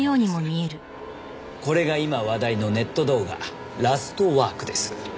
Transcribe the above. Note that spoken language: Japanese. これが今話題のネット動画『ラストワーク』です。